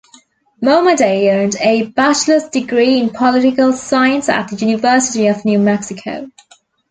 Momaday earned a bachelor's degree in political science at the University of New Mexico.